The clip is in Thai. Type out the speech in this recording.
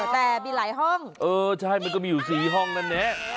แต่มีหลายห้องเออใช่มันก็มีอยู่๔ห้องแน่